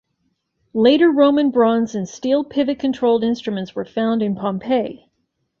Later Roman bronze and steel pivot-controlled instruments were found in Pompeii.